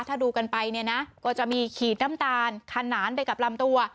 ถ้าดูกันไปเนี่ยนะก็จะมีขีดน้ำตาลขนานไปกับลำตัว